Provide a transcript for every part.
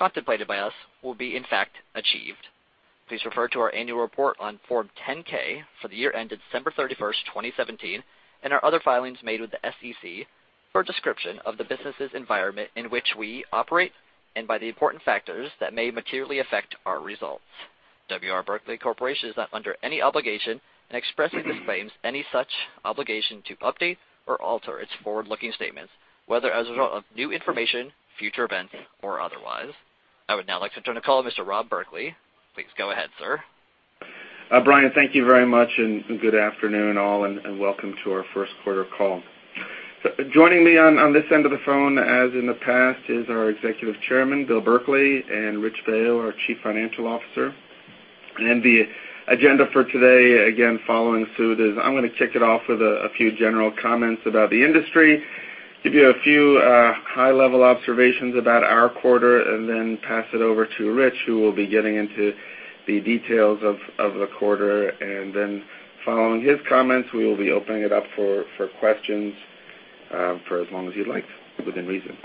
events, or otherwise. I would now like to turn the call to Mr. Rob Berkley. Please go ahead, sir. Brian, thank you very much, and good afternoon all, and welcome to our first quarter call. Joining me on this end of the phone, as in the past, is our Executive Chairman, Bill Berkley, and Rich Baio, our Chief Financial Officer. The agenda for today, again, following suit is I'm going to kick it off with a few general comments about the industry, give you a few high-level observations about our quarter, then pass it over to Rich, who will be getting into the details of the quarter. Following his comments, we will be opening it up for questions for as long as you'd like, within reason.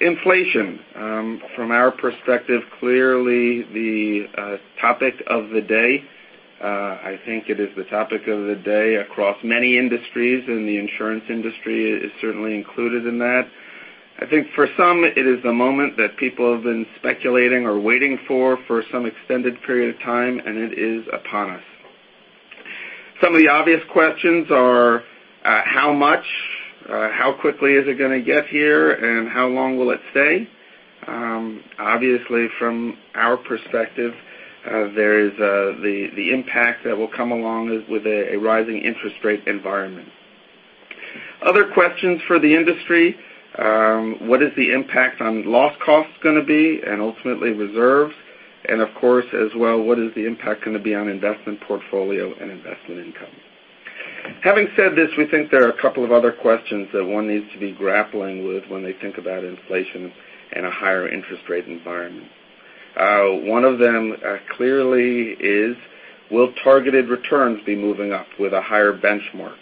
Inflation. From our perspective, clearly the topic of the day. I think it is the topic of the day across many industries, and the insurance industry is certainly included in that. I think for some, it is the moment that people have been speculating or waiting for some extended period of time, and it is upon us. Some of the obvious questions are how much, how quickly is it going to get here, and how long will it stay? Obviously, from our perspective, there is the impact that will come along with a rising interest rate environment. Other questions for the industry, what is the impact on loss costs going to be and ultimately reserves? Of course, as well, what is the impact going to be on investment portfolio and investment income? Having said this, we think there are a couple of other questions that one needs to be grappling with when they think about inflation and a higher interest rate environment. One of them clearly is will targeted returns be moving up with a higher benchmark?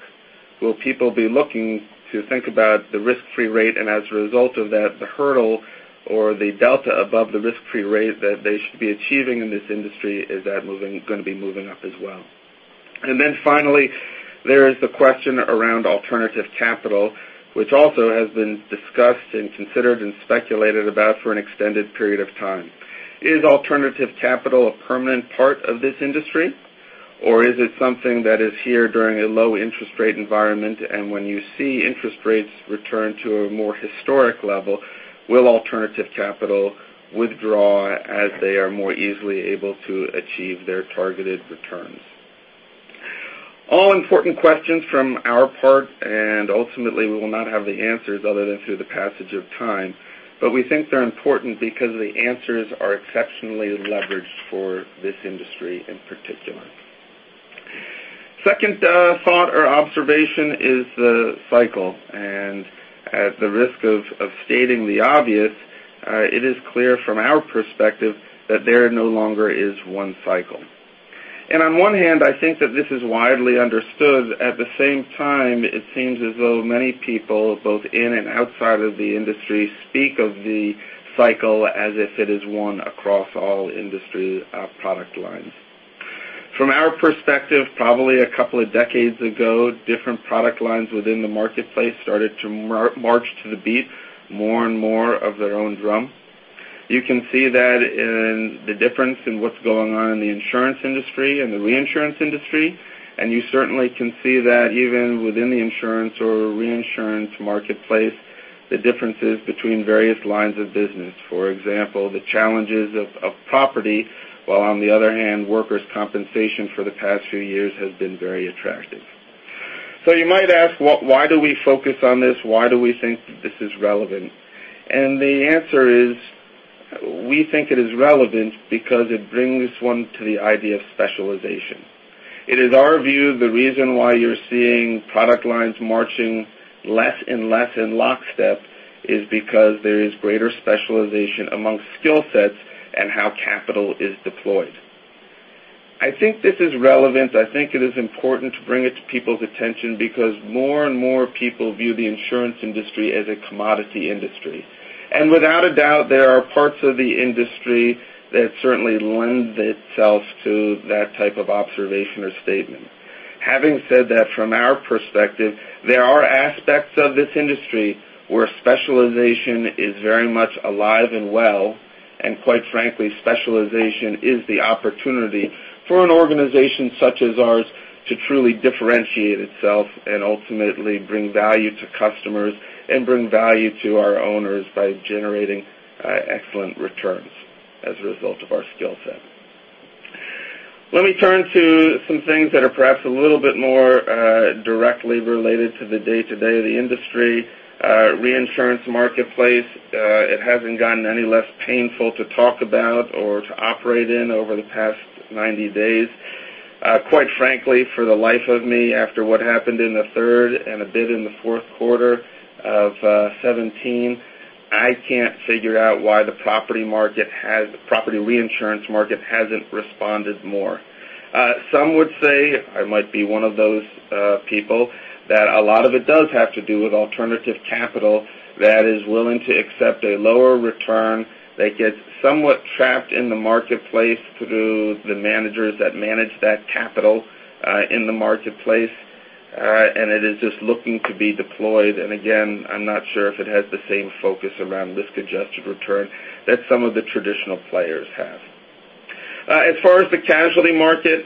Will people be looking to think about the risk-free rate, and as a result of that, the hurdle or the delta above the risk-free rate that they should be achieving in this industry, is that going to be moving up as well? Finally, there is the question around alternative capital, which also has been discussed and considered and speculated about for an extended period of time. Is alternative capital a permanent part of this industry, or is it something that is here during a low interest rate environment, and when you see interest rates return to a more historic level, will alternative capital withdraw as they are more easily able to achieve their targeted returns? All important questions from our part, ultimately, we will not have the answers other than through the passage of time. We think they're important because the answers are exceptionally leveraged for this industry in particular. Second thought or observation is the cycle. At the risk of stating the obvious, it is clear from our perspective that there no longer is one cycle. On one hand, I think that this is widely understood. At the same time, it seems as though many people, both in and outside of the industry, speak of the cycle as if it is one across all industry product lines. From our perspective, probably a couple of decades ago, different product lines within the marketplace started to march to the beat more and more of their own drum. You can see that in the difference in what's going on in the insurance industry and the reinsurance industry. You certainly can see that even within the insurance or reinsurance marketplace, the differences between various lines of business. For example, the challenges of property, while on the other hand, workers' compensation for the past few years has been very attractive. You might ask, why do we focus on this? Why do we think that this is relevant? The answer is, we think it is relevant because it brings one to the idea of specialization. It is our view the reason why you're seeing product lines marching less and less in lockstep is because there is greater specialization amongst skill sets and how capital is deployed. I think this is relevant. I think it is important to bring it to people's attention because more and more people view the insurance industry as a commodity industry. Without a doubt, there are parts of the industry that certainly lend itself to that type of observation or statement. Having said that, from our perspective, there are aspects of this industry where specialization is very much alive and well, and quite frankly, specialization is the opportunity for an organization such as ours to truly differentiate itself and ultimately bring value to customers and bring value to our owners by generating excellent returns as a result of our skill set. Let me turn to some things that are perhaps a little bit more directly related to the day-to-day of the industry reinsurance marketplace. It hasn't gotten any less painful to talk about or to operate in over the past 90 days. Quite frankly, for the life of me, after what happened in the third and a bit in the fourth quarter of 2017, I can't figure out why the property reinsurance market hasn't responded more. Some would say, I might be one of those people, that a lot of it does have to do with alternative capital that is willing to accept a lower return, that gets somewhat trapped in the marketplace through the managers that manage that capital in the marketplace, and it is just looking to be deployed. Again, I'm not sure if it has the same focus around risk-adjusted return that some of the traditional players have. As far as the casualty market,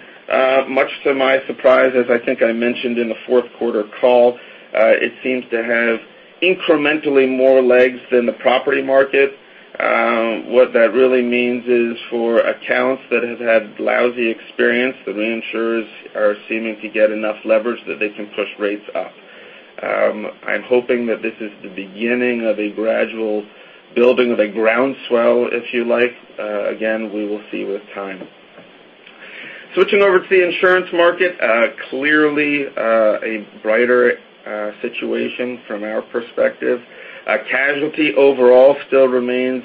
much to my surprise, as I think I mentioned in the fourth quarter call, it seems to have incrementally more legs than the property market. What that really means is for accounts that have had lousy experience, the reinsurers are seeming to get enough leverage that they can push rates up. I'm hoping that this is the beginning of a gradual building of a groundswell, if you like. Again, we will see with time. Switching over to the insurance market, clearly, a brighter situation from our perspective. Casualty overall still remains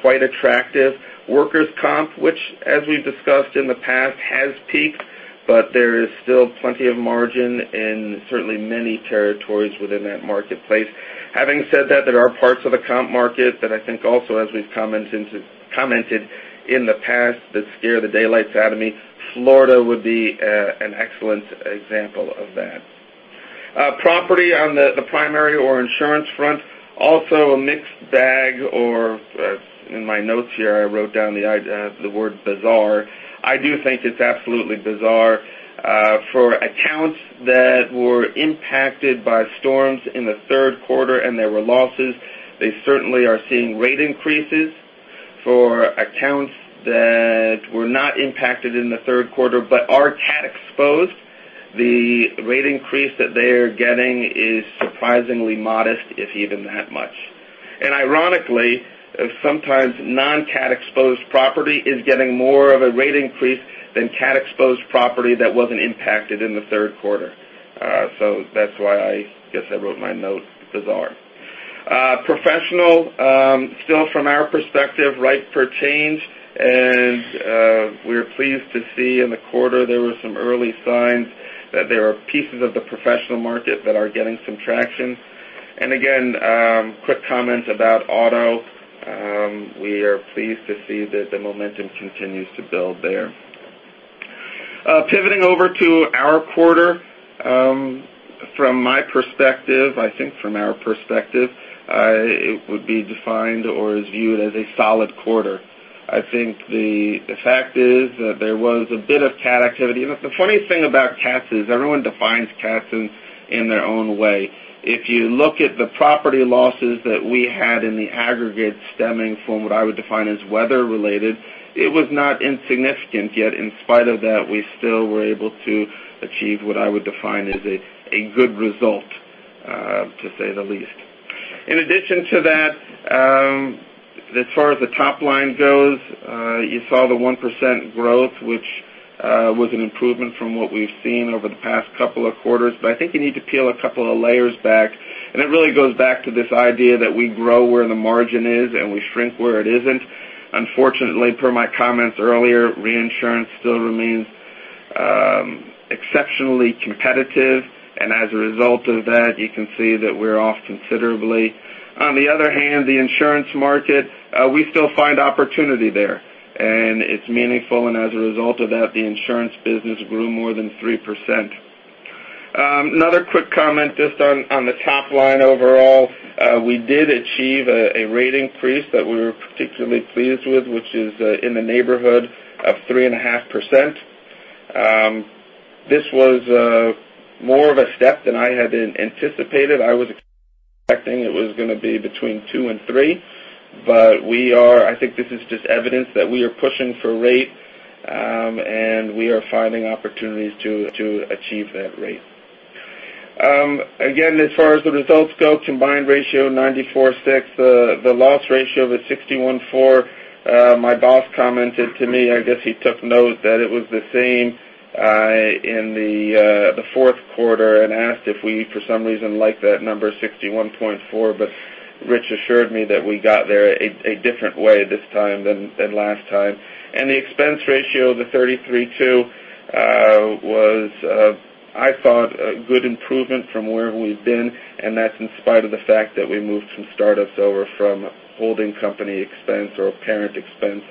quite attractive. workers' comp, which as we've discussed in the past, has peaked, but there is still plenty of margin in certainly many territories within that marketplace. Having said that, there are parts of the comp market that I think also, as we've commented in the past, that scare the daylights out of me. Florida would be an excellent example of that. Property on the primary or insurance front, also a mixed bag or, in my notes here, I wrote down the word bizarre. I do think it's absolutely bizarre. For accounts that were impacted by storms in the third quarter and there were losses, they certainly are seeing rate increases. For accounts that were not impacted in the third quarter but are cat exposed, the rate increase that they are getting is surprisingly modest, if even that much. Ironically, sometimes non-cat exposed property is getting more of a rate increase than cat exposed property that wasn't impacted in the third quarter. That's why I guess I wrote in my note, bizarre. Professional, still from our perspective, ripe for change, and we're pleased to see in the quarter there were some early signs that there are pieces of the professional market that are getting some traction. Again, quick comment about auto. We are pleased to see that the momentum continues to build there. Pivoting over to our quarter. From my perspective, I think from our perspective, it would be defined or is viewed as a solid quarter. I think the fact is that there was a bit of cat activity. The funniest thing about cats is everyone defines cats in their own way. If you look at the property losses that we had in the aggregate stemming from what I would define as weather-related, it was not insignificant, yet in spite of that, we still were able to achieve what I would define as a good result, to say the least. In addition to that, as far as the top line goes, you saw the 1% growth, which was an improvement from what we've seen over the past couple of quarters. I think you need to peel a couple of layers back, and it really goes back to this idea that we grow where the margin is and we shrink where it isn't. Unfortunately, per my comments earlier, reinsurance still remains exceptionally competitive. As a result of that, you can see that we're off considerably. On the other hand, the insurance market, we still find opportunity there, and it's meaningful, and as a result of that, the insurance business grew more than 3%. Another quick comment just on the top line overall. We did achieve a rate increase that we were particularly pleased with, which is in the neighborhood of 3.5%. This was more of a step than I had anticipated. I was expecting it was going to be between two and three, I think this is just evidence that we are pushing for rate, and we are finding opportunities to achieve that rate. Again, as far as the results go, combined ratio 94.6%. The loss ratio was 61.4%. My boss commented to me, I guess he took note that it was the same in the fourth quarter and asked if we, for some reason, like that number 61.4%, Rich assured me that we got there a different way this time than last time. The expense ratio, 33.2%, was, I thought, a good improvement from where we've been, and that's in spite of the fact that we moved some startups over from holding company expense or parent expense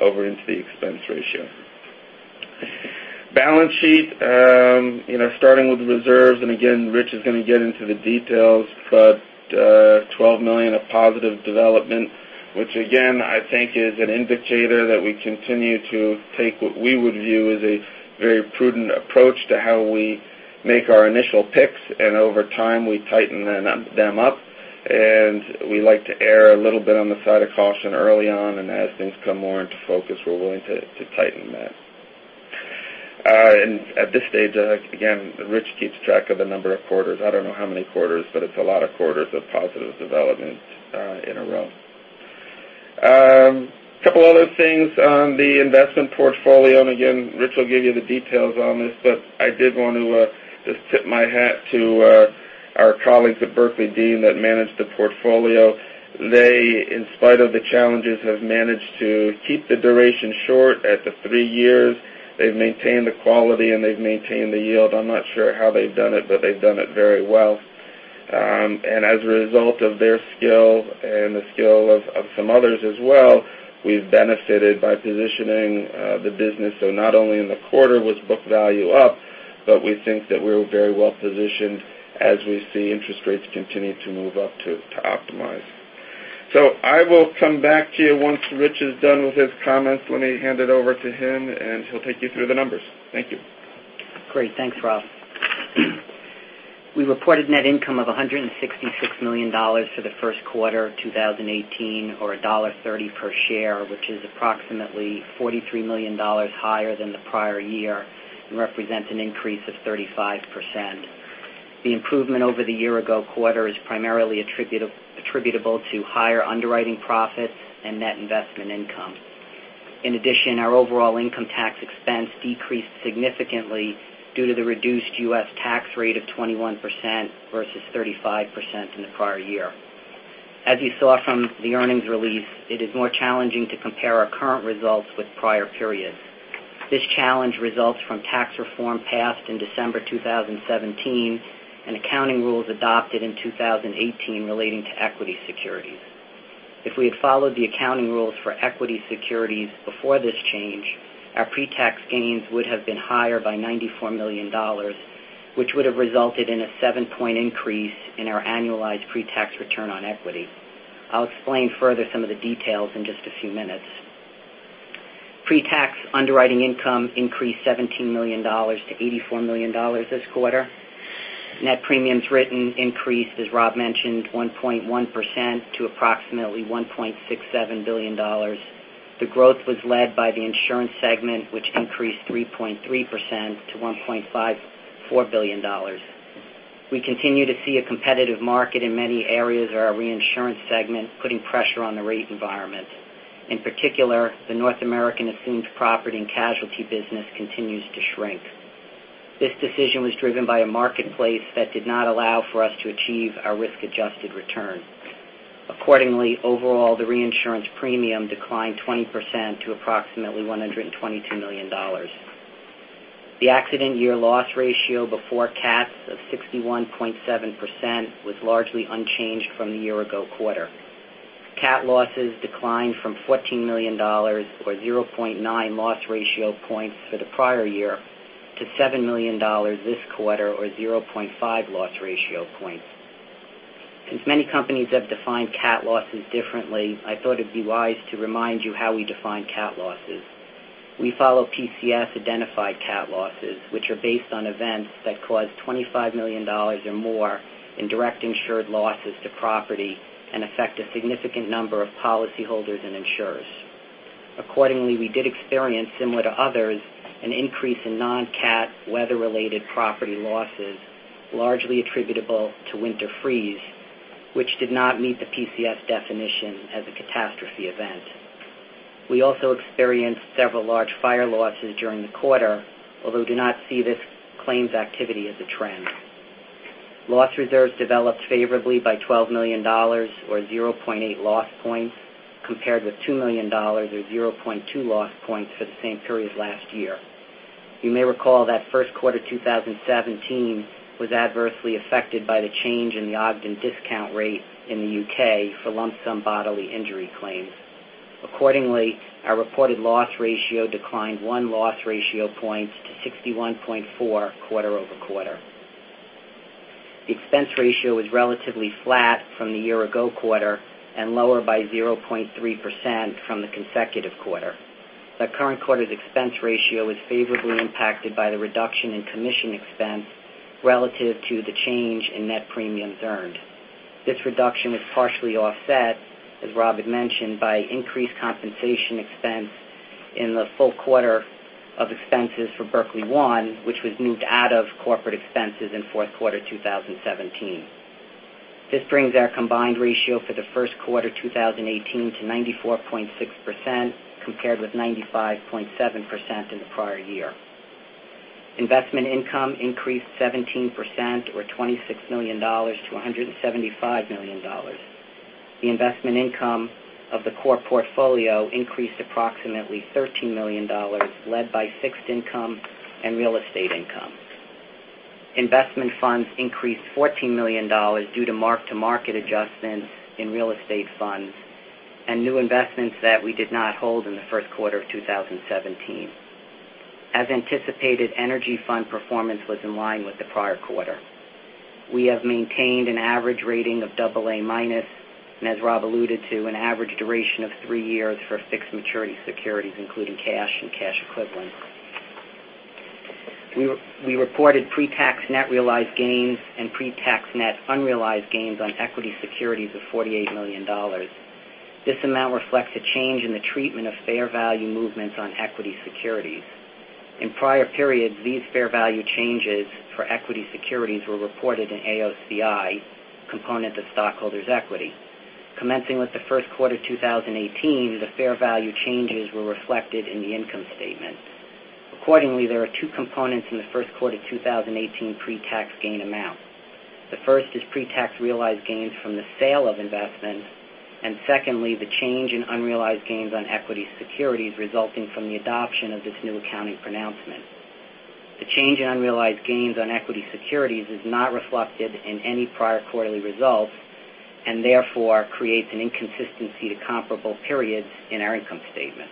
over into the expense ratio. Balance sheet, starting with reserves, again, Rich is going to get into the details, $12 million of positive development, which again, I think is an indicator that we continue to take what we would view as a very prudent approach to how we make our initial picks, over time, we tighten them up. We like to err a little bit on the side of caution early on, as things come more into focus, we're willing to tighten that. At this stage, again, Rich keeps track of the number of quarters. I don't know how many quarters, but it's a lot of quarters of positive development in a row. Couple other things on the investment portfolio, again, Rich will give you the details on this, I did want to just tip my hat to our colleagues at Berkley Dean that manage the portfolio. They, in spite of the challenges, have managed to keep the duration short at the three years. They've maintained the quality, and they've maintained the yield. I'm not sure how they've done it, but they've done it very well. As a result of their skill and the skill of some others as well, we've benefited by positioning the business so not only in the quarter was book value up, but we think that we're very well-positioned as we see interest rates continue to move up to optimize. I will come back to you once Rich is done with his comments. Let me hand it over to him, He'll take you through the numbers. Thank you. Great. Thanks, Rob. We reported net income of $166 million for the first quarter 2018, or $1.30 per share, which is approximately $43 million higher than the prior year and represents an increase of 35%. The improvement over the year-ago quarter is primarily attributable to higher underwriting profit and net investment income. In addition, our overall income tax expense decreased significantly due to the reduced U.S. tax rate of 21% versus 35% in the prior year. As you saw from the earnings release, it is more challenging to compare our current results with prior periods. This challenge results from tax reform passed in December 2017 and accounting rules adopted in 2018 relating to equity securities. If we had followed the accounting rules for equity securities before this change, our pre-tax gains would have been higher by $94 million, which would have resulted in a seven-point increase in our annualized pre-tax return on equity. I'll explain further some of the details in just a few minutes. Pre-tax underwriting income increased $17 million to $84 million this quarter. Net premiums written increased, as Rob mentioned, 1.1% to approximately $1.67 billion. The growth was led by the insurance segment, which increased 3.3% to $1.54 billion. We continue to see a competitive market in many areas of our reinsurance segment, putting pressure on the rate environment. In particular, the North American assumed property and casualty business continues to shrink. This decision was driven by a marketplace that did not allow for us to achieve our risk-adjusted return. Accordingly, overall, the reinsurance premium declined 20% to approximately $122 million. The accident year loss ratio before cats of 61.7% was largely unchanged from the year-ago quarter. Cat losses declined from $14 million, or 0.9 loss ratio points for the prior year, to $7 million this quarter, or 0.5 loss ratio points. Since many companies have defined cat losses differently, I thought it'd be wise to remind you how we define cat losses. We follow PCS-identified cat losses, which are based on events that cause $25 million or more in direct insured losses to property and affect a significant number of policyholders and insurers. Accordingly, we did experience, similar to others, an increase in non-cat weather-related property losses, largely attributable to winter freeze, which did not meet the PCS definition as a catastrophe event. We also experienced several large fire losses during the quarter, although do not see this claims activity as a trend. Loss reserves developed favorably by $12 million or 0.8 loss points compared with $2 million or 0.2 loss points for the same period last year. You may recall that first quarter 2017 was adversely affected by the change in the Ogden discount rate in the U.K. for lump sum bodily injury claims. Accordingly, our reported loss ratio declined one loss ratio point to 61.4% quarter-over-quarter. The expense ratio was relatively flat from the year-ago quarter and lower by 0.3% from the consecutive quarter. The current quarter's expense ratio was favorably impacted by the reduction in commission expense relative to the change in net premiums earned. This reduction was partially offset, as Rob had mentioned, by increased compensation expense in the full quarter of expenses for Berkley One, which was moved out of corporate expenses in fourth quarter 2017. This brings our combined ratio for the first quarter 2018 to 94.6%, compared with 95.7% in the prior year. Investment income increased 17%, or $26 million to $175 million. The investment income of the core portfolio increased approximately $13 million, led by fixed income and real estate income. Investment funds increased $14 million due to mark-to-market adjustments in real estate funds and new investments that we did not hold in the first quarter of 2017. As anticipated, energy fund performance was in line with the prior quarter. We have maintained an average rating of AA-, and as Rob alluded to, an average duration of three years for fixed maturity securities, including cash and cash equivalents. We reported pre-tax net realized gains and pre-tax net unrealized gains on equity securities of $48 million. This amount reflects a change in the treatment of fair value movements on equity securities. In prior periods, these fair value changes for equity securities were reported in AOCI component of stockholders' equity. Commencing with the first quarter 2018, the fair value changes were reflected in the income statement. Accordingly, there are two components in the first quarter 2018 pre-tax gain amount. The first is pre-tax realized gains from the sale of investments, and secondly, the change in unrealized gains on equity securities resulting from the adoption of this new accounting pronouncement. The change in unrealized gains on equity securities is not reflected in any prior quarterly results, and therefore creates an inconsistency to comparable periods in our income statement.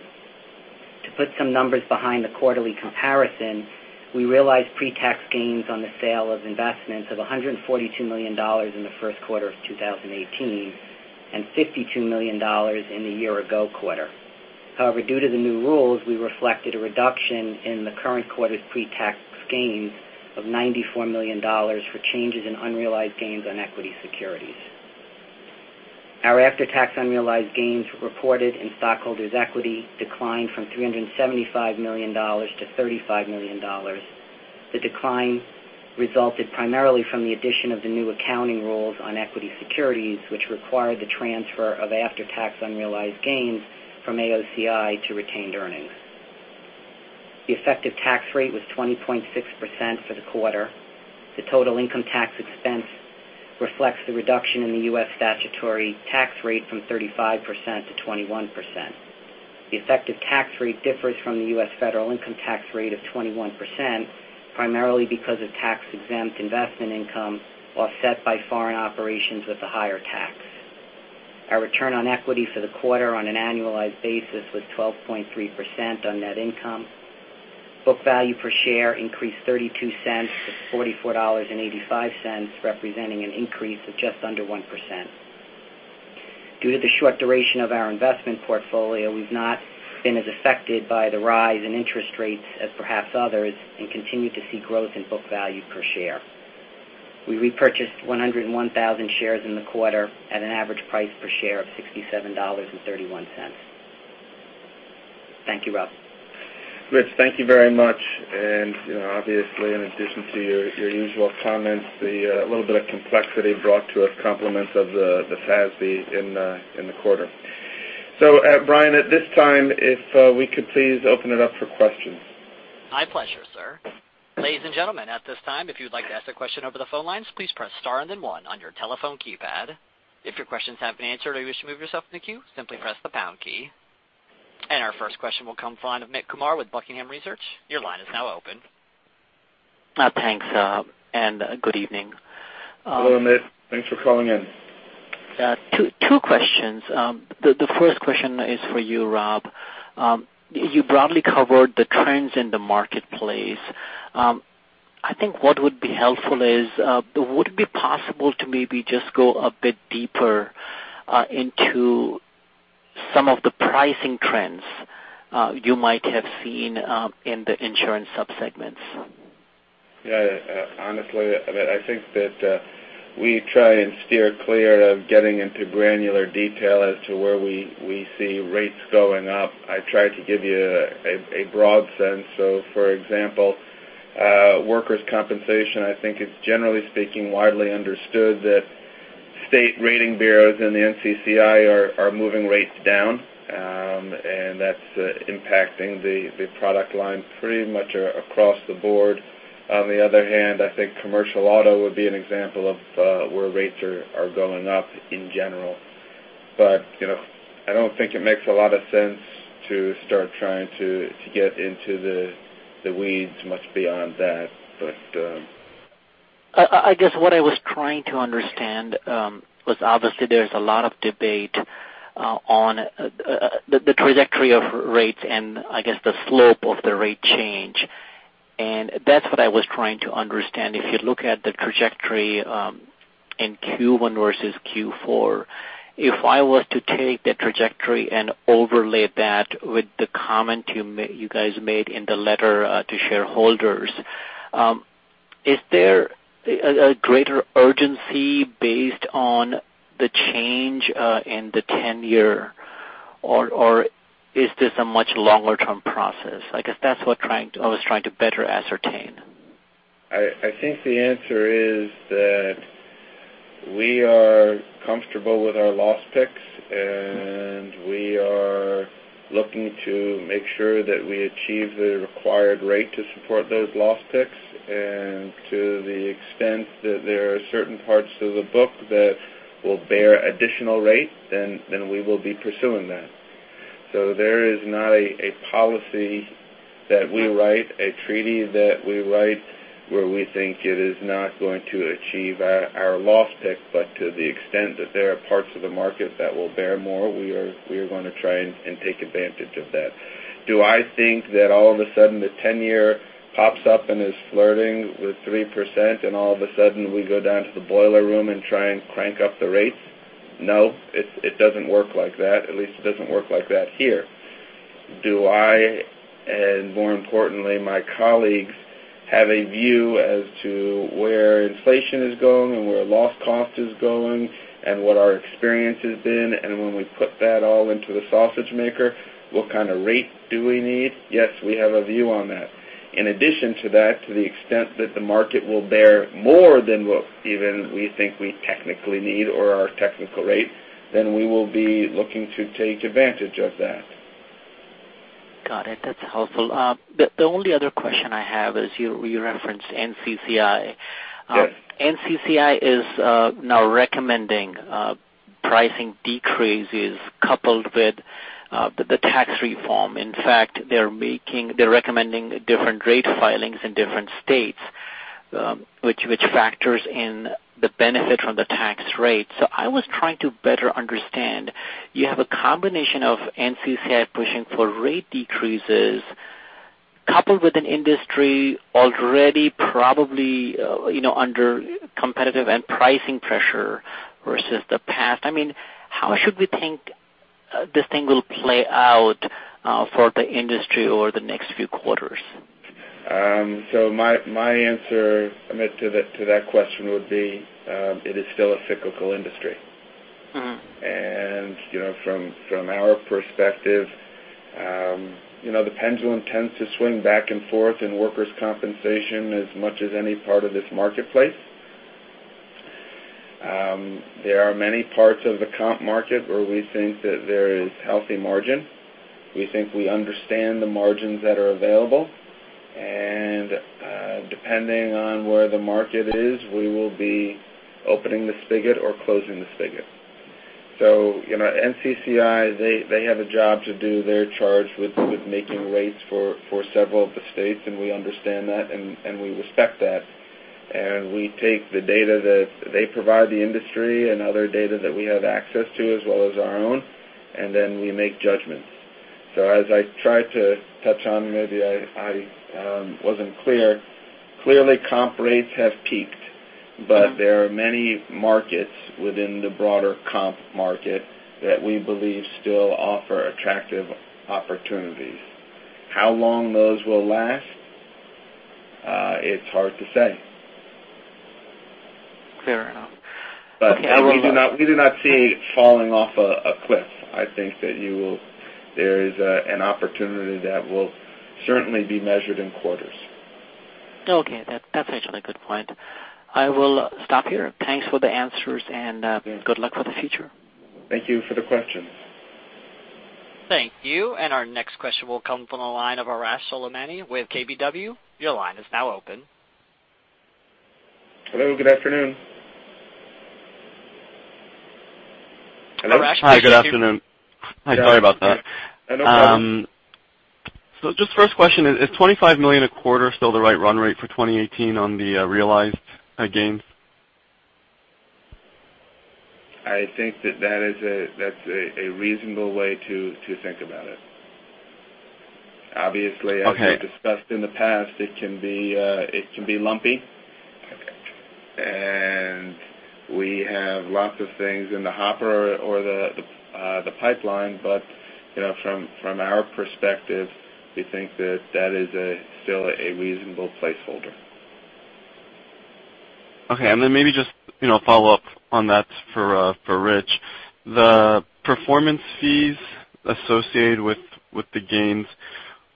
To put some numbers behind the quarterly comparison, we realized pre-tax gains on the sale of investments of $142 million in the first quarter of 2018 and $52 million in the year ago quarter. Due to the new rules, we reflected a reduction in the current quarter's pre-tax gains of $94 million for changes in unrealized gains on equity securities. Our after-tax unrealized gains reported in stockholders' equity declined from $375 million to $35 million. The decline resulted primarily from the addition of the new accounting rules on equity securities, which required the transfer of after-tax unrealized gains from AOCI to retained earnings. The effective tax rate was 20.6% for the quarter. The total income tax expense reflects the reduction in the U.S. statutory tax rate from 35% to 21%. The effective tax rate differs from the U.S. federal income tax rate of 21%, primarily because of tax-exempt investment income offset by foreign operations with a higher tax. Our return on equity for the quarter on an annualized basis was 12.3% on net income. Book value per share increased $0.32 to $44.85, representing an increase of just under 1%. Due to the short duration of our investment portfolio, we've not been as affected by the rise in interest rates as perhaps others and continue to see growth in book value per share. We repurchased 101,000 shares in the quarter at an average price per share of $67.31. Thank you, Rob. Rich, thank you very much. Obviously, in addition to your usual comments, the little bit of complexity brought to us compliments of the FASB in the quarter. Brian, at this time, if we could please open it up for questions. My pleasure, sir. Ladies and gentlemen, at this time, if you'd like to ask a question over the phone lines, please press star and then one on your telephone keypad. If your questions have been answered or you wish to move yourself in the queue, simply press the pound key. Our first question will come from Amit Kumar with Buckingham Research. Your line is now open. Thanks, good evening. Hello, Amit. Thanks for calling in. Two questions. The first question is for you, Rob. You broadly covered the trends in the marketplace. I think what would be helpful is, would it be possible to maybe just go a bit deeper into some of the pricing trends you might have seen in the insurance subsegments? Yeah. Honestly, Amit, I think that we try and steer clear of getting into granular detail as to where we see rates going up. I tried to give you a broad sense. For example, workers' compensation, I think it's generally speaking, widely understood that state rating bureaus and the NCCI are moving rates down, and that's impacting the product line pretty much across the board. On the other hand, I think commercial auto would be an example of where rates are going up in general. I don't think it makes a lot of sense to start trying to get into the weeds much beyond that. I guess what I was trying to understand was obviously there's a lot of debate on the trajectory of rates and I guess the slope of the rate change. That's what I was trying to understand. If you look at the trajectory in Q1 versus Q4, if I was to take that trajectory and overlay that with the comment you guys made in the letter to shareholders, is there a greater urgency based on the change in the 10-year, or is this a much longer-term process? I guess that's what I was trying to better ascertain. I think the answer is that we are comfortable with our loss picks, and we are looking to make sure that we achieve the required rate to support those loss picks. To the extent that there are certain parts of the book that will bear additional rate, then we will be pursuing that. There is not a policy that we write, a treaty that we write, where we think it is not going to achieve our loss pick, but to the extent that there are parts of the market that will bear more, we are going to try and take advantage of that. Do I think that all of a sudden the 10-year pops up and is flirting with 3% and all of a sudden we go down to the boiler room and try and crank up the rates? No, it doesn't work like that. At least it doesn't work like that here. Do I, and more importantly, my colleagues, have a view as to where inflation is going and where loss cost is going, and what our experience has been? When we put that all into the sausage maker, what kind of rate do we need? Yes, we have a view on that. In addition to that, to the extent that the market will bear more than what even we think we technically need or our technical rate, we will be looking to take advantage of that. Got it. That's helpful. The only other question I have is you referenced NCCI. Yes. NCCI is now recommending pricing decreases coupled with the tax reform. In fact, they're recommending different rate filings in different states, which factors in the benefit from the tax rate. I was trying to better understand, you have a combination of NCCI pushing for rate decreases coupled with an industry already probably under competitive and pricing pressure versus the past. How should we think this thing will play out for the industry over the next few quarters? My answer, Amit, to that question would be, it is still a cyclical industry. From our perspective, the pendulum tends to swing back and forth in workers' compensation as much as any part of this marketplace. There are many parts of the comp market where we think that there is healthy margin. We think we understand the margins that are available. Depending on where the market is, we will be opening the spigot or closing the spigot. NCCI, they have a job to do. They're charged with making rates for several of the states. We understand that. We respect that. We take the data that they provide the industry and other data that we have access to as well as our own. Then we make judgments. As I try to touch on, maybe I wasn't clear. Clearly, comp rates have peaked. There are many markets within the broader comp market that we believe still offer attractive opportunities. How long those will last, it's hard to say. Fair enough. We do not see it falling off a cliff. I think that there is an opportunity that will certainly be measured in quarters. Okay. That's actually a good point. I will stop here. Thanks for the answers and good luck for the future. Thank you for the question. Thank you. Our next question will come from the line of Arash Soleimani with KBW. Your line is now open. Hello. Good afternoon. Hello? Arash, can you hear- Hi, good afternoon. Hi, sorry about that. No problem. Just first question, is $25 million a quarter still the right run rate for 2018 on the realized gains? I think that's a reasonable way to think about it. Okay As we've discussed in the past, it can be lumpy. Okay. We have lots of things in the hopper or the pipeline, but from our perspective, we think that that is still a reasonable placeholder. Okay. Then maybe just follow up on that for Rich. The performance fees associated with the gains,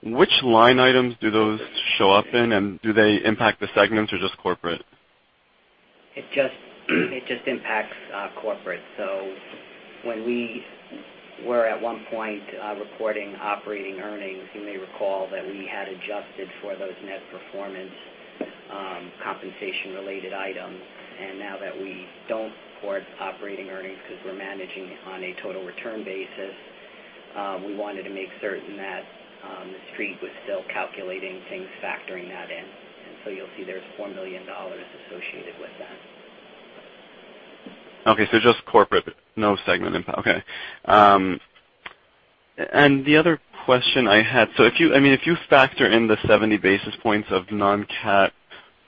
which line items do those show up in, and do they impact the segments or just corporate? It just impacts corporate. When we were at one point reporting operating earnings, you may recall that we had adjusted for those net performance compensation-related items. Now that we don't report operating earnings because we're managing on a total return basis, we wanted to make certain that The Street was still calculating things factoring that in. You'll see there's $4 million associated with that. Okay. Just corporate, no segment impact. Okay. The other question I had, if you factor in the 70 basis points of non-catastrophe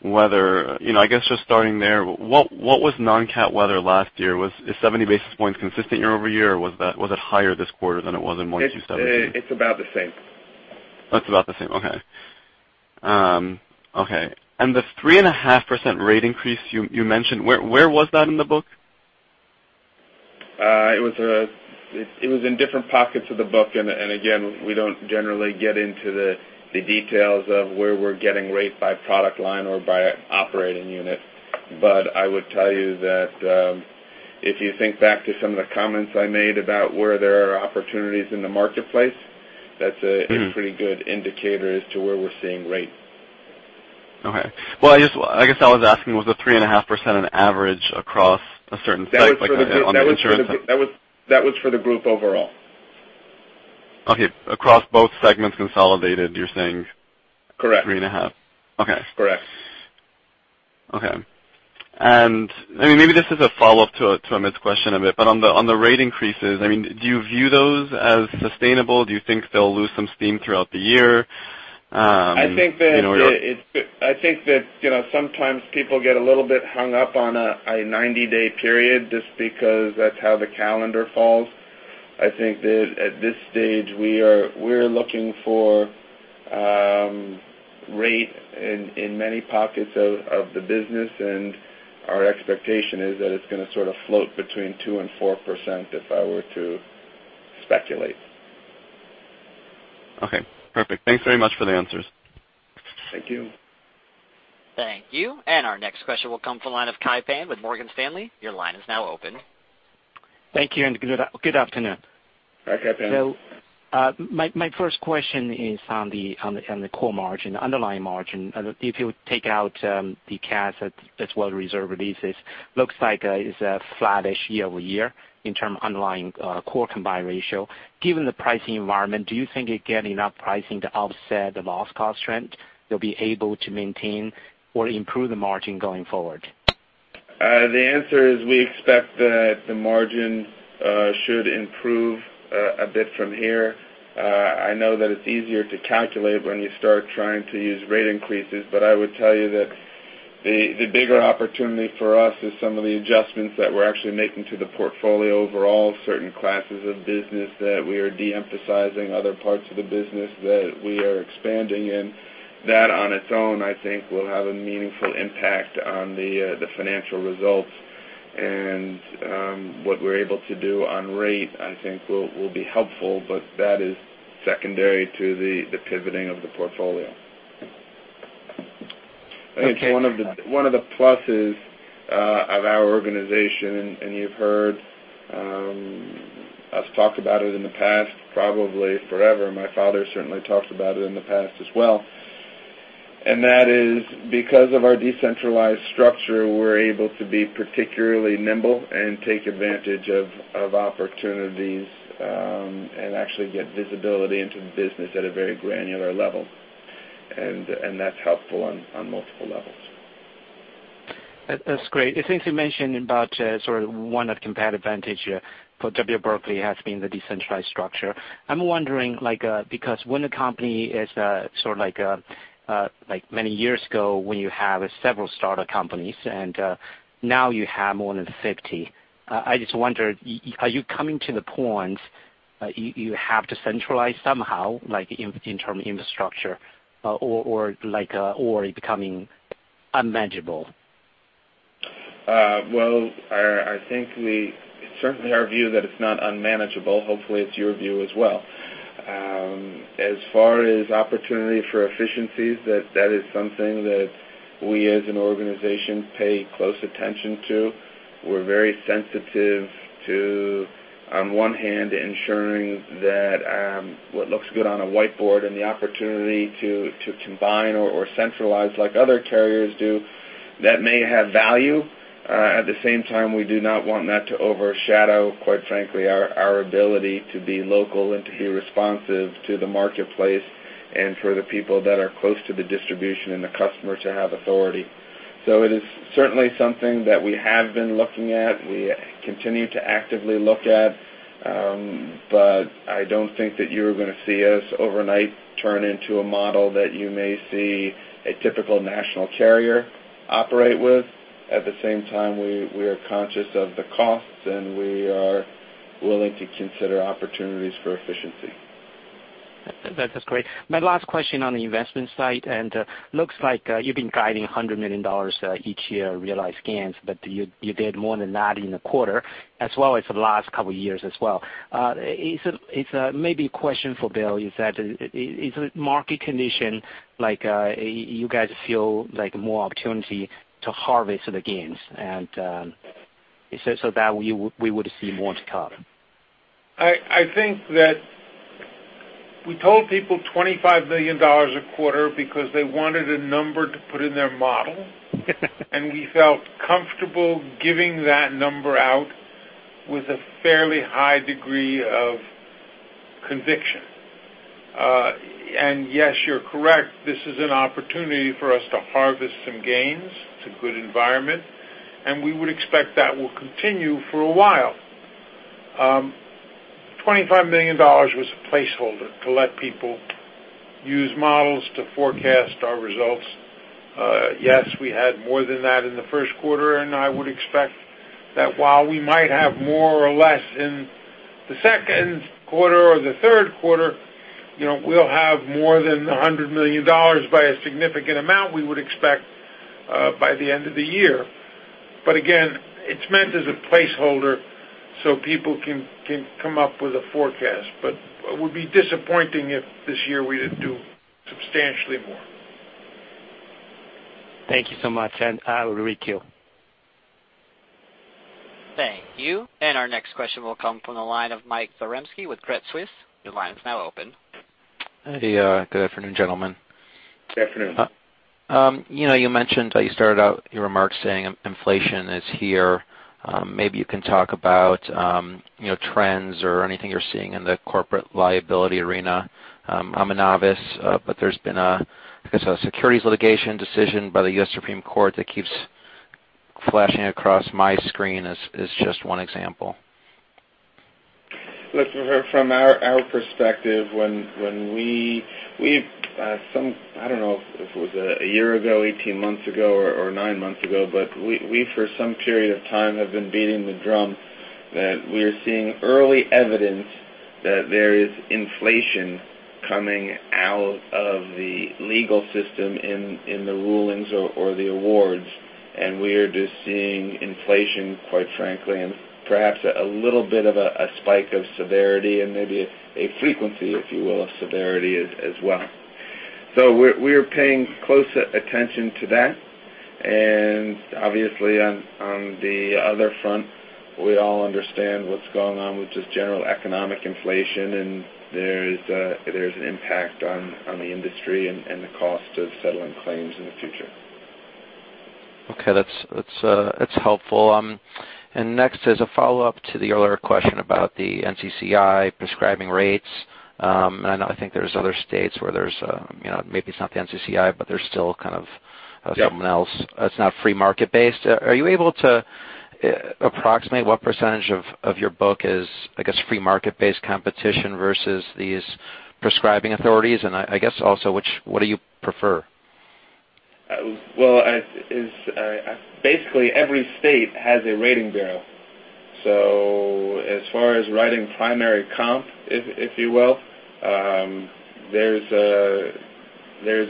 weather, I guess just starting there, what was non-catastrophe weather last year? Is 70 basis points consistent year-over-year, or was it higher this quarter than it was in 1Q17? It's about the same. It's about the same. Okay. The 3.5% rate increase you mentioned, where was that in the book? It was in different pockets of the book. Again, we don't generally get into the details of where we're getting rate by product line or by operating unit. I would tell you that if you think back to some of the comments I made about where there are opportunities in the marketplace, that's a pretty good indicator as to where we're seeing rates. Okay. Well, I guess I was asking, was the 3.5% an average across a certain segment on the insurance? That was for the group overall. Okay. Across both segments consolidated, you're saying? Correct 3.5? Okay. Correct. Okay. Maybe this is a follow-up to Amit's question a bit, but on the rate increases, do you view those as sustainable? Do you think they'll lose some steam throughout the year? I think that sometimes people get a little bit hung up on a 90-day period just because that's how the calendar falls. I think that at this stage, we're looking for rate in many pockets of the business, and our expectation is that it's going to sort of float between 2% and 4%, if I were to speculate. Okay, perfect. Thanks very much for the answers. Thank you. Thank you. Our next question will come from the line of Kai Pan with Morgan Stanley. Your line is now open. Thank you, good afternoon. Hi, Kai Pan. My first question is on the core margin, underlying margin. If you take out the cash as well as reserve releases, looks like it's a flattish year-over-year in term underlying core combined ratio. Given the pricing environment, do you think you get enough pricing to offset the loss cost trend? Will you be able to maintain or improve the margin going forward? The answer is we expect that the margin should improve a bit from here. I know that it's easier to calculate when you start trying to use rate increases. I would tell you that the bigger opportunity for us is some of the adjustments that we're actually making to the portfolio overall, certain classes of business that we are de-emphasizing, other parts of the business that we are expanding in. That on its own, I think will have a meaningful impact on the financial results. What we're able to do on rate, I think, will be helpful, but that is secondary to the pivoting of the portfolio. I think one of the pluses of our organization, you've heard us talk about it in the past, probably forever. My father certainly talked about it in the past as well. That is because of our decentralized structure, we're able to be particularly nimble and take advantage of opportunities, and actually get visibility into the business at a very granular level. That's helpful on multiple levels. That's great. I think you mentioned about sort of one of competitive advantage for W. R. Berkley has been the decentralized structure. I'm wondering, because when the company is sort of like many years ago, when you have several startup companies and now you have more than 50, I just wonder, are you coming to the point you have to centralize somehow, like in term infrastructure or is it becoming unmanageable? I think it's certainly our view that it's not unmanageable. Hopefully, it's your view as well. As far as opportunity for efficiencies, that is something that we as an organization pay close attention to. We're very sensitive to, on one hand, ensuring that what looks good on a whiteboard and the opportunity to combine or centralize like other carriers do, that may have value. At the same time, we do not want that to overshadow, quite frankly, our ability to be local and to be responsive to the marketplace and for the people that are close to the distribution and the customer to have authority. It is certainly something that we have been looking at, we continue to actively look at, but I don't think that you're going to see us overnight turn into a model that you may see a typical national carrier operate with. At the same time, we are conscious of the costs, and we are willing to consider opportunities for efficiency. That is great. My last question on the investment side, and looks like you've been guiding $100 million each year realized gains, but you did more than that in the quarter as well as the last couple of years as well. It's maybe a question for Bill, is that market condition like you guys feel like more opportunity to harvest the gains, and so that we would see more to come? I think that we told people $25 million a quarter because they wanted a number to put in their model. We felt comfortable giving that number out with a fairly high degree of conviction. Yes, you're correct, this is an opportunity for us to harvest some gains. It's a good environment, and we would expect that will continue for a while. $25 million was a placeholder to let people use models to forecast our results. Yes, we had more than that in the first quarter, and I would expect that while we might have more or less in the second quarter or the third quarter, we'll have more than the $100 million by a significant amount we would expect by the end of the year. Again, it's meant as a placeholder so people can come up with a forecast. It would be disappointing if this year we didn't do substantially more. Thank you so much. I will queue. Thank you. Our next question will come from the line of Mike Zaremski with Credit Suisse. Your line is now open. Hey, good afternoon, gentlemen. Good afternoon. You mentioned you started out your remarks saying inflation is here. Maybe you can talk about trends or anything you're seeing in the corporate liability arena. I'm a novice, but there's been a, I guess, a securities litigation decision by the U.S. Supreme Court that keeps flashing across my screen as just one example. Look, from our perspective, I don't know if it was a year ago, 18 months ago or 9 months ago, but we for some period of time have been beating the drum that we are seeing early evidence that there is inflation coming out of the legal system in the rulings or the awards. We are just seeing inflation, quite frankly, and perhaps a little bit of a spike of severity and maybe a frequency, if you will, of severity as well. We are paying close attention to that. Obviously, on the other front, we all understand what's going on with just general economic inflation, and there's an impact on the industry and the cost of settling claims in the future. Okay. That's helpful. Next, as a follow-up to the earlier question about the NCCI prescribing rates, I think there's other states where maybe it's not the NCCI. Yep someone else. It's not free market-based. Are you able to approximate what percentage of your book is, I guess, free market-based competition versus these prescribing authorities? I guess also, what do you prefer? Well, basically every state has a rating bureau. As far as writing primary comp, if you will, there's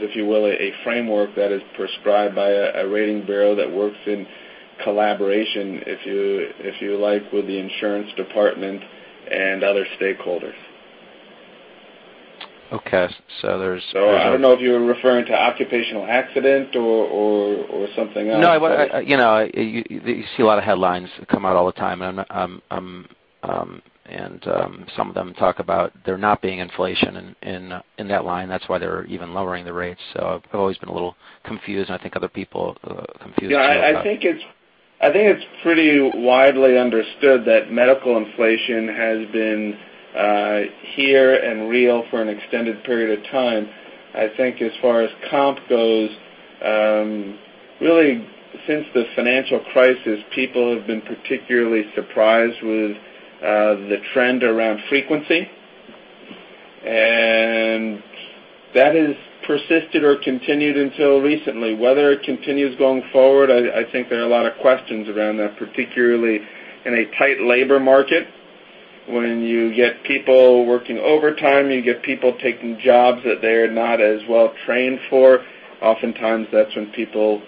a framework that is prescribed by a rating bureau that works in collaboration, if you like, with the insurance department and other stakeholders. Okay. I don't know if you were referring to occupational accident or something else. No. You see a lot of headlines come out all the time. Some of them talk about there not being inflation in that line. That's why they're even lowering the rates. I've always been a little confused, and I think other people are confused about that. Yeah. I think it's pretty widely understood that medical inflation has been here and real for an extended period of time. I think as far as comp goes, really since the financial crisis, people have been particularly surprised with the trend around frequency. That has persisted or continued until recently. Whether it continues going forward, I think there are a lot of questions around that, particularly in a tight labor market. When you get people working overtime, you get people taking jobs that they are not as well trained for, oftentimes that's when people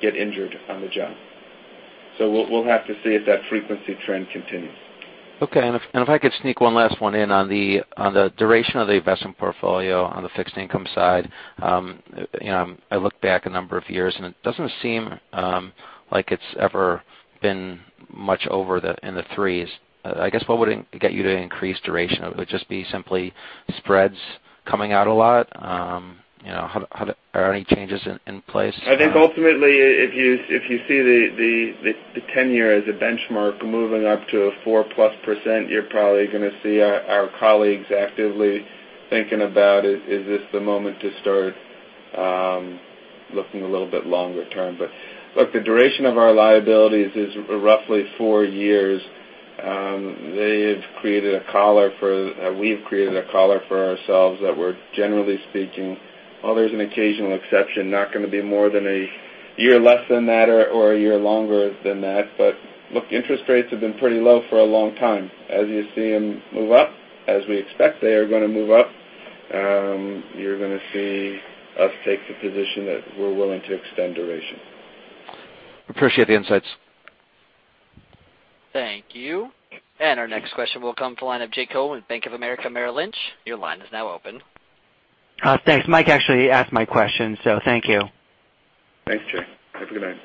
get injured on the job. We'll have to see if that frequency trend continues. Okay. If I could sneak one last one in on the duration of the investment portfolio on the fixed income side. I look back a number of years, and it doesn't seem like it's ever been much over in the threes. What would get you to increase duration? Would it just be simply spreads coming out a lot? Are there any changes in place? I think ultimately, if you see the 10-year as a benchmark moving up to a 4%+, you're probably going to see our colleagues actively thinking about it. Is this the moment to start looking a little bit longer term? Look, the duration of our liabilities is roughly four years. We've created a collar for ourselves that we're, generally speaking, while there's an occasional exception, not going to be more than a year less than that or a year longer than that. Look, interest rates have been pretty low for a long time. As you see them move up, as we expect they are going to move up, you're going to see us take the position that we're willing to extend duration. Appreciate the insights. Thank you. Our next question will come to the line of Jay Cohen, Bank of America Merrill Lynch. Your line is now open. Thanks. Mike actually asked my question, so thank you. Thanks, Jay. Have a good night.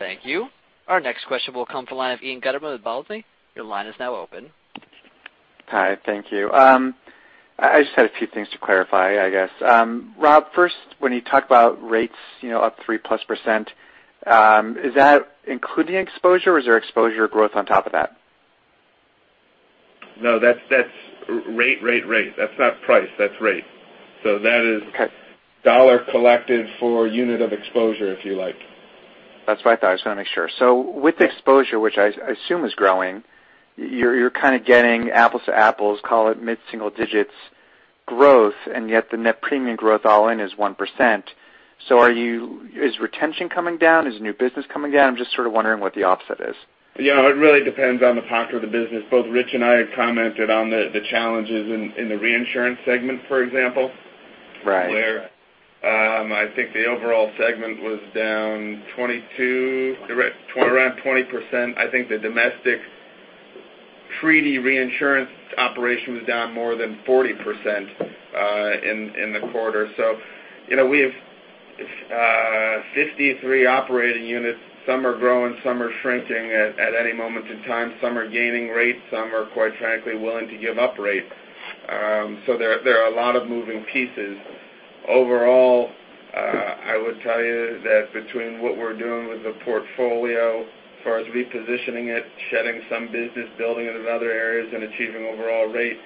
Thank you. Our next question will come from the line of Ian Gutterman with Balyasny. Your line is now open. Hi. Thank you. I just had a few things to clarify, I guess. Rob, first, when you talk about rates up 3%+, is that including exposure, or is there exposure growth on top of that? No, that's rate. That's not price, that's rate. Okay. That is dollar collected for unit of exposure, if you like. That's what I thought. I just want to make sure. With exposure, which I assume is growing, you're kind of getting apples to apples, call it mid-single digits growth, and yet the net premium growth all in is 1%. Is retention coming down? Is new business coming down? I'm just sort of wondering what the offset is. It really depends on the pocket of the business. Both Rich and I have commented on the challenges in the reinsurance segment, for example. Right. Where I think the overall segment was down around 20%. I think the domestic treaty reinsurance operation was down more than 40% in the quarter. We have 53 operating units. Some are growing, some are shrinking at any moment in time. Some are gaining rates. Some are, quite frankly, willing to give up rates. There are a lot of moving pieces. Overall, I would tell you that between what we're doing with the portfolio as far as repositioning it, shedding some business, building it in other areas, and achieving overall rates,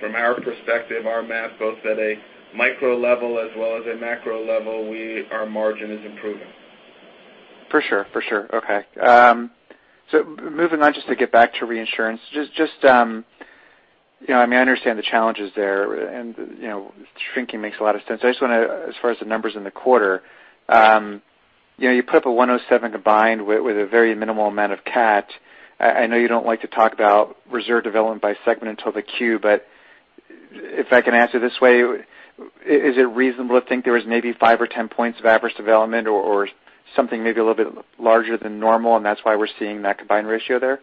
from our perspective, our math, both at a micro level as well as a macro level, our margin is improving. For sure. Okay. Moving on, just to get back to reinsurance, I understand the challenges there and shrinking makes a lot of sense. I just want to, as far as the numbers in the quarter, you put up a 107 combined with a very minimal amount of CAT. I know you don't like to talk about reserve development by segment until the Q, but if I can ask it this way, is it reasonable to think there was maybe five or 10 points of adverse development or something maybe a little bit larger than normal, and that's why we're seeing that combined ratio there?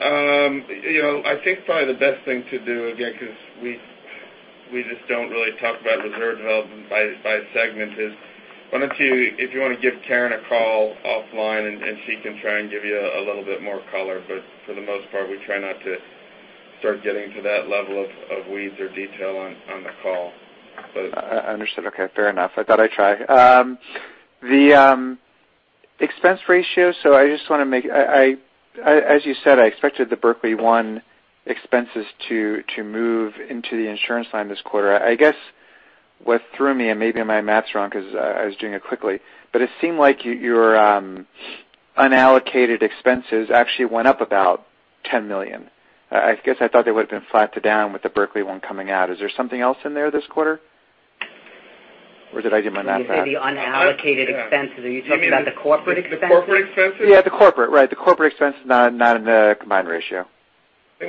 I think probably the best thing to do, again, because we just don't really talk about reserve development by segment, is if you want to give Karen a call offline, and she can try and give you a little bit more color. For the most part, we try not to start getting to that level of weeds or detail on the call. Understood. Okay, fair enough. I thought I'd try. The expense ratio. As you said, I expected the Berkley One expenses to move into the insurance line this quarter. I guess what threw me, and maybe my math's wrong because I was doing it quickly, but it seemed like your unallocated expenses actually went up about $10 million. I guess I thought they would've been flat to down with the Berkley One coming out. Is there something else in there this quarter? Did I do my math bad? When you say the unallocated expenses, are you talking about the corporate expenses? The corporate expenses? Yeah, the corporate. Right. The corporate expense is not in the combined ratio. It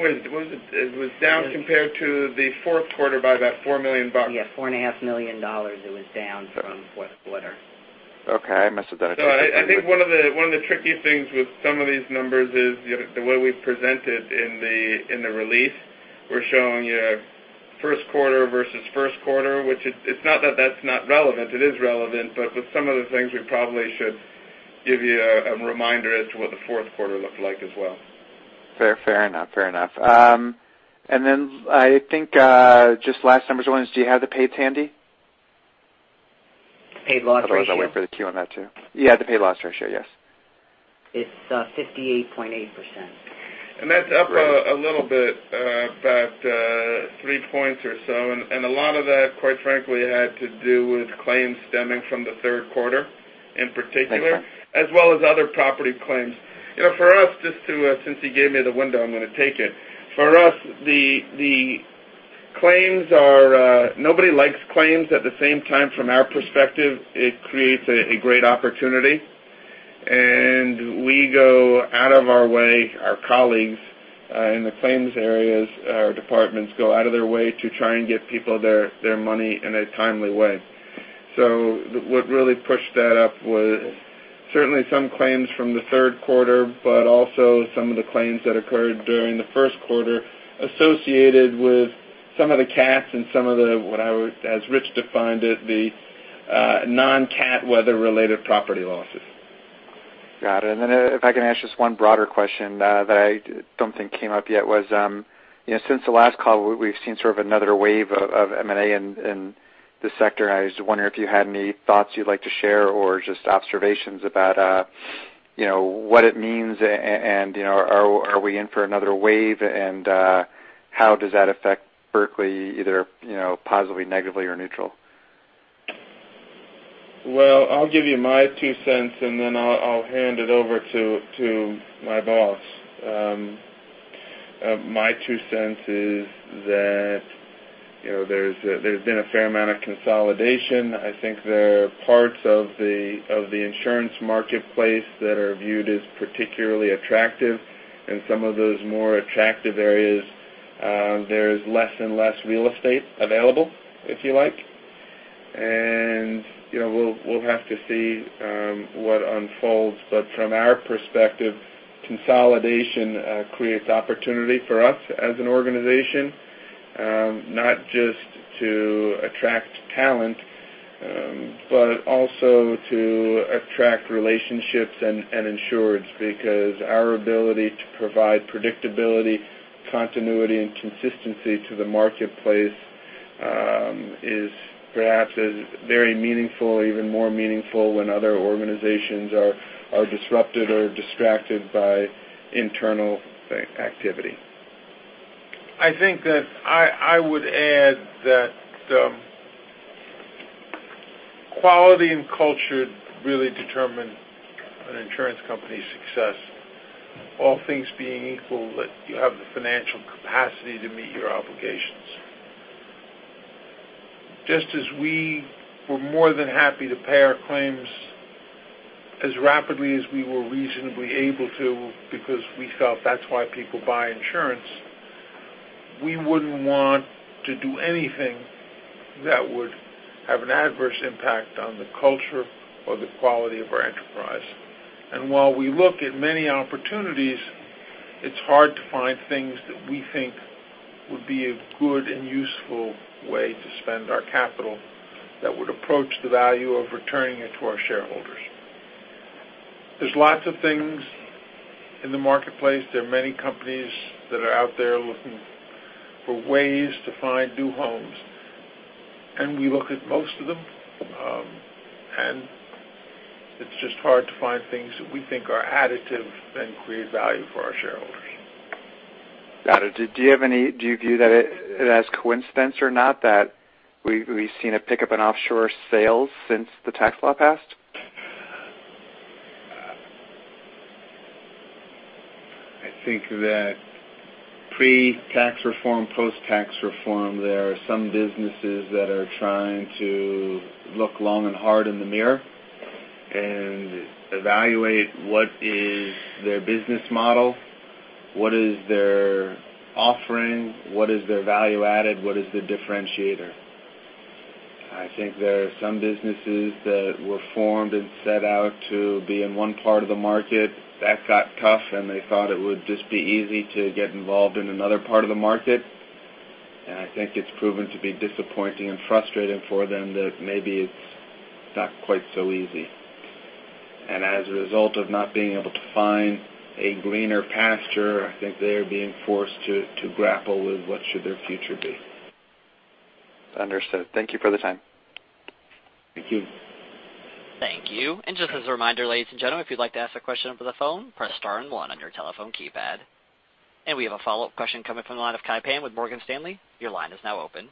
was down compared to the fourth quarter by about $4 million. Yeah, $4.5 million it was down from fourth quarter. Okay. I must have done. I think one of the tricky things with some of these numbers is the way we present it in the release. We're showing you first quarter versus first quarter, which it's not that that's not relevant. It is relevant, but with some of the things, we probably should give you a reminder as to what the fourth quarter looked like as well. Fair enough. I think just last numbers one is do you have the paid handy? Paid loss ratio? Otherwise, I'll wait for the Q on that too. Yeah, the paid loss ratio, yes. It's 58.8%. That's up a little bit, about three points or so. A lot of that, quite frankly, had to do with claims stemming from the third quarter, in particular. Okay as well as other property claims. For us, since he gave me the window, I'm going to take it. For us, nobody likes claims. At the same time, from our perspective, it creates a great opportunity, and we go out of our way, our colleagues in the claims areas, our departments go out of their way to try and get people their money in a timely way. What really pushed that up was certainly some claims from the third quarter, but also some of the claims that occurred during the first quarter associated with some of the CATs and some of the, what I would, as Rich defined it, the non-CAT weather related property losses. Got it. If I can ask just one broader question that I don't think came up yet was, since the last call, we've seen sort of another wave of M&A in the sector, and I just wonder if you had any thoughts you'd like to share or just observations about what it means and are we in for another wave, and how does that affect Berkley, either positively, negatively, or neutral? Well, I'll give you my two cents, and then I'll hand it over to my boss. My two cents is that there's been a fair amount of consolidation. I think there are parts of the insurance marketplace that are viewed as particularly attractive. In some of those more attractive areas, there is less and less real estate available, if you like. We'll have to see what unfolds. From our perspective, consolidation creates opportunity for us as an organization. Not just to attract talent, but also to attract relationships and insureds, because our ability to provide predictability, continuity, and consistency to the marketplace is perhaps as very meaningful, even more meaningful when other organizations are disrupted or distracted by internal activity. I think that I would add that quality and culture really determine an insurance company's success, all things being equal, that you have the financial capacity to meet your obligations. Just as we were more than happy to pay our claims as rapidly as we were reasonably able to because we felt that's why people buy insurance, we wouldn't want to do anything that would have an adverse impact on the culture or the quality of our enterprise. While we look at many opportunities, it's hard to find things that we think would be a good and useful way to spend our capital that would approach the value of returning it to our shareholders. There's lots of things in the marketplace. There are many companies that are out there looking for ways to find new homes, and we look at most of them. It's just hard to find things that we think are additive and create value for our shareholders. Got it. Do you view that as coincidence or not that we've seen a pickup in offshore sales since the tax law passed? I think that pre-tax reform, post-tax reform, there are some businesses that are trying to look long and hard in the mirror and evaluate what is their business model, what is their offering, what is their value added, what is their differentiator? I think there are some businesses that were formed and set out to be in one part of the market. That got tough, and they thought it would just be easy to get involved in another part of the market. I think it's proven to be disappointing and frustrating for them that maybe it's not quite so easy. As a result of not being able to find a greener pasture, I think they are being forced to grapple with what should their future be. Understood. Thank you for the time. Thank you. Thank you. Just as a reminder, ladies and gentlemen, if you'd like to ask a question over the phone, press star one on your telephone keypad. We have a follow-up question coming from the line of Kai Pan with Morgan Stanley. Your line is now open.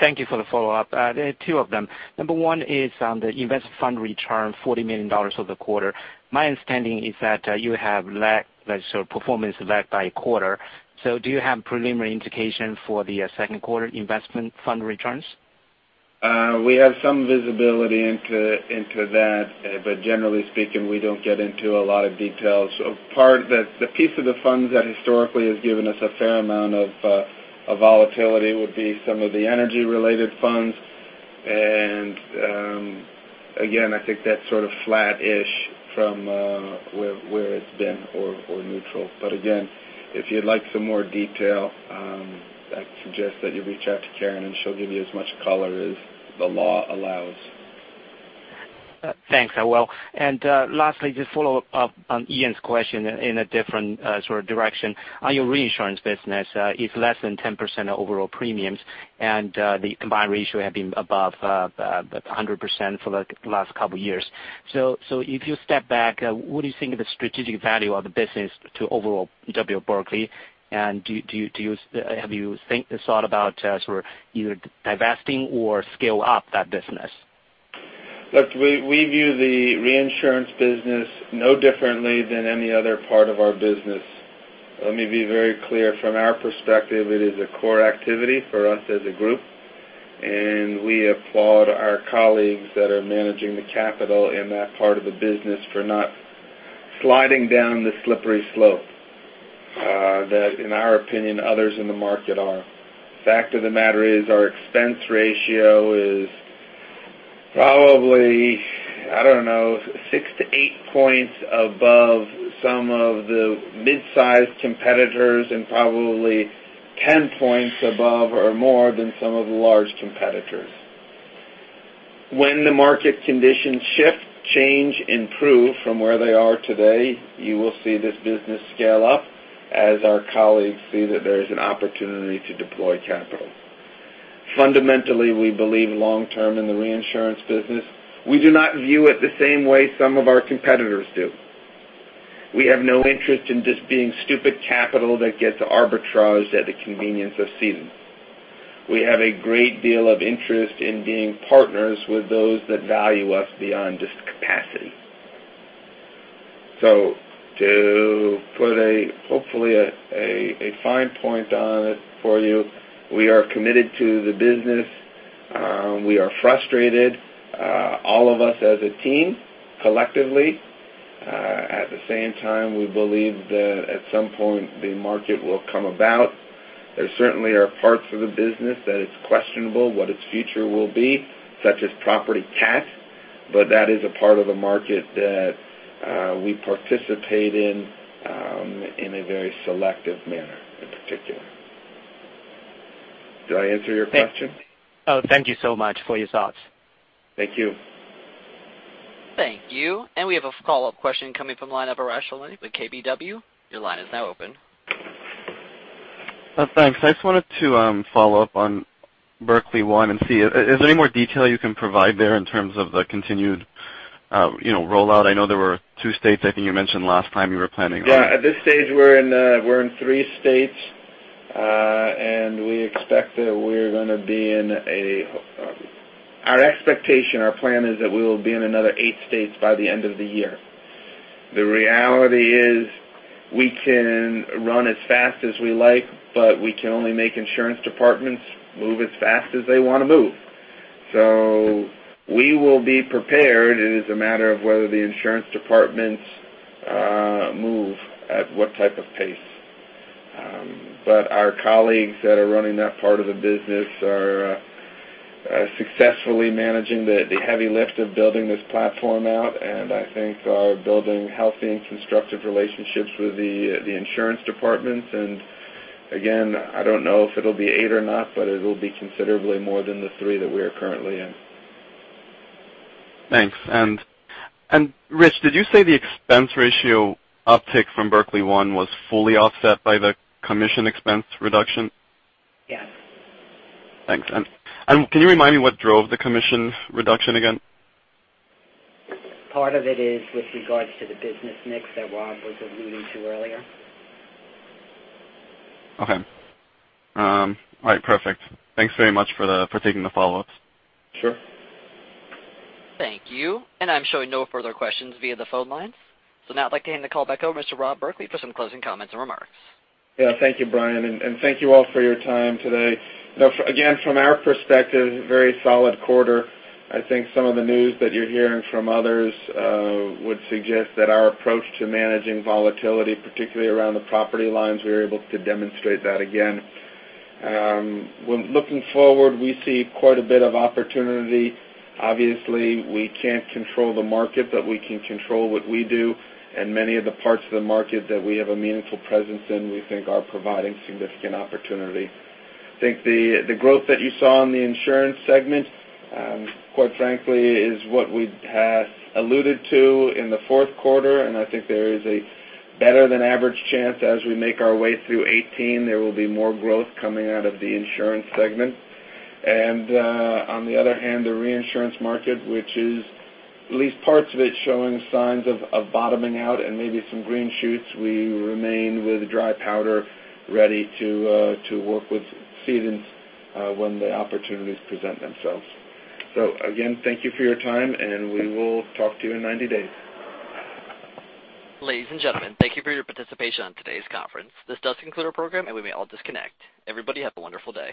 Thank you for the follow-up. There are two of them. Number 1 is on the investment fund return, $40 million for the quarter. My understanding is that you have performance lag by quarter. Do you have preliminary indication for the second quarter investment fund returns? We have some visibility into that, but generally speaking, we don't get into a lot of details. The piece of the fund that historically has given us a fair amount of volatility would be some of the energy-related funds, and again, I think that's sort of flat-ish from where it's been or neutral. Again, if you'd like some more detail, I'd suggest that you reach out to Karen and she'll give you as much color as the law allows. Thanks. I will. Lastly, just follow up on Ian's question in a different sort of direction. On your reinsurance business, it's less than 10% of overall premiums, and the combined ratio had been above 100% for the last couple of years. If you step back, what do you think of the strategic value of the business to overall W. R. Berkley, and have you thought about sort of either divesting or scale up that business? Look, we view the reinsurance business no differently than any other part of our business. Let me be very clear. From our perspective, it is a core activity for us as a group, and we applaud our colleagues that are managing the capital in that part of the business for not sliding down the slippery slope that, in our opinion, others in the market are. Fact of the matter is our expense ratio is probably, I don't know, six to eight points above some of the mid-sized competitors and probably 10 points above or more than some of the large competitors. When the market conditions shift, change, improve from where they are today, you will see this business scale up as our colleagues see that there is an opportunity to deploy capital. Fundamentally, we believe long-term in the reinsurance business. We do not view it the same way some of our competitors do. We have no interest in just being stupid capital that gets arbitraged at the convenience of cedents. We have a great deal of interest in being partners with those that value us beyond just capacity. To put hopefully a fine point on it for you, we are committed to the business. We are frustrated, all of us as a team, collectively. At the same time, we believe that at some point, the market will come about. There certainly are parts of the business that it's questionable what its future will be, such as property catastrophe, but that is a part of the market that we participate in a very selective manner in particular. Did I answer your question? Thank you so much for your thoughts. Thank you. Thank you. We have a follow-up question coming from the line of Arash Soleimani with KBW. Your line is now open. Thanks. I just wanted to follow up on Berkley One and see is there any more detail you can provide there in terms of the continued rollout? I know there were two states I think you mentioned last time you were planning on- Yeah, at this stage, we're in three states. Our expectation, our plan is that we will be in another eight states by the end of the year. The reality is we can run as fast as we like, but we can only make insurance departments move as fast as they want to move. We will be prepared. It is a matter of whether the insurance departments move, at what type of pace. Our colleagues that are running that part of the business are successfully managing the heavy lift of building this platform out and I think are building healthy and constructive relationships with the insurance departments. Again, I don't know if it'll be eight or not, but it will be considerably more than the three that we are currently in. Thanks. Rich, did you say the expense ratio uptick from Berkley One was fully offset by the commission expense reduction? Yes. Thanks. Can you remind me what drove the commission reduction again? Part of it is with regards to the business mix that Rob was alluding to earlier. Okay. All right, perfect. Thanks very much for taking the follow-ups. Sure. Thank you. I'm showing no further questions via the phone lines. Now I'd like to hand the call back over to Rob Berkley for some closing comments and remarks. Yeah. Thank you, Brian, and thank you all for your time today. Again, from our perspective, very solid quarter. I think some of the news that you're hearing from others would suggest that our approach to managing volatility, particularly around the property lines, we were able to demonstrate that again. Looking forward, we see quite a bit of opportunity. Obviously, we can't control the market, but we can control what we do, and many of the parts of the market that we have a meaningful presence in, we think are providing significant opportunity. I think the growth that you saw in the insurance segment, quite frankly, is what we had alluded to in the fourth quarter, and I think there is a better than average chance as we make our way through 2018, there will be more growth coming out of the insurance segment. On the other hand, the reinsurance market, which is at least parts of it showing signs of bottoming out and maybe some green shoots, we remain with dry powder, ready to work with cedents when the opportunities present themselves. Again, thank you for your time, and we will talk to you in 90 days. Ladies and gentlemen, thank you for your participation on today's conference. This does conclude our program, and we may all disconnect. Everybody have a wonderful day.